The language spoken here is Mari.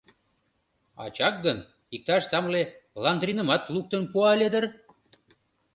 Ачак гын, иктаж тамле ландринымат луктын пуа ыле дыр?